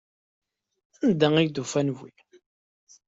Anda ay d-ufan wi?